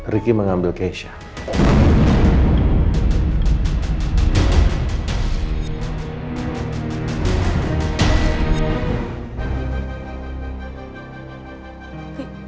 ricky mengambil keisah